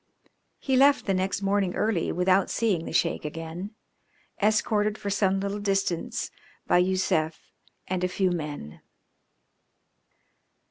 He left the next morning early without seeing the Sheik again, escorted for some little distance by Yusef and a few men.